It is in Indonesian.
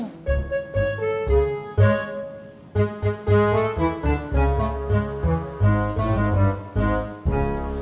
ketemu mang udung